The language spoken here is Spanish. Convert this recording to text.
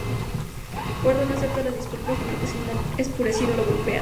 Gordo no acepta las disculpas, por lo que Simon, enfurecido, lo golpea.